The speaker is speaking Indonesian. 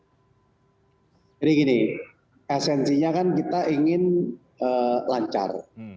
jadi gini esensinya kan kita ingin lancar